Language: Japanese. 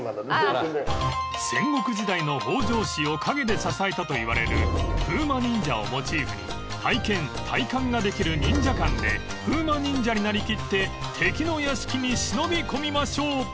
［戦国時代の北条氏を陰で支えたといわれる風魔忍者をモチーフに体験体感ができるＮＩＮＪＡ館で風魔忍者になりきって敵の屋敷に忍び込みましょう！］